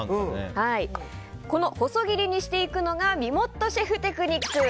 この細切りにしていくのがみもっとシェフテクニック。